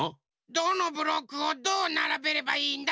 どのブロックをどうならべればいいんだ？